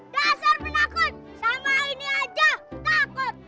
dasar menakut sama ini aja takut